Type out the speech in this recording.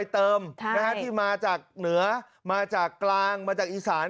เติมที่มาจากเหนือมาจากกลางมาจากอีสาน